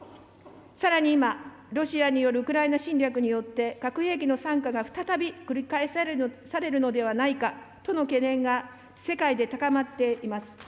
さらに今、ロシアによるウクライナ侵略によって、核兵器の惨禍が再び繰り返されるのではないかとの懸念が世界で高まっています。